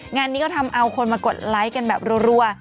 งานนี้ก็ทำเอาคนมากดไลค์กันแบบรัว